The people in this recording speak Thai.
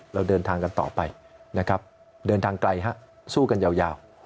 เราเดินทางกันต่อไปนะครับเดินทางไกลฮะสู้กันยาว